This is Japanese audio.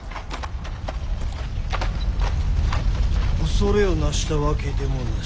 恐れをなしたわけでもなし。